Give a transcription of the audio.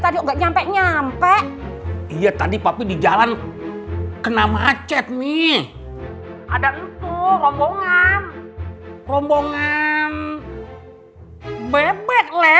tadi enggak nyampe nyampe iya tadi papa di jalan kena macet nih ada empuk rombongan rombongan bebek leh